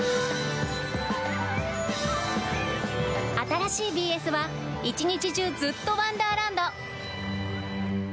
新しいＢＳは一日中ずっとワンダーランド。